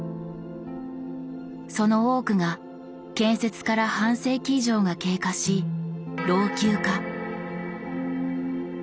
その多くが建設から半世紀以上が経過し老朽化。